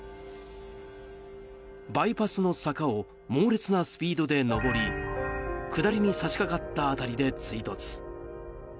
バイパスの坂を猛烈なスピードで上り下りに差し掛かった辺りで追突。